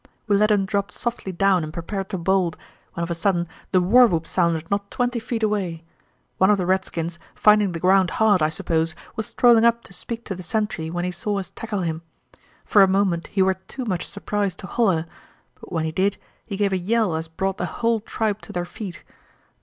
We let him drop softly down and prepared to bolt, when of a sudden the war whoop sounded not twenty feet away. One of the redskins, finding the ground hard, I suppose, was strolling up to speak to the sentry when he saw us tackle him. For a moment he were too much surprised to holler, but when he did he gave a yell as brought the hull tribe to their feet.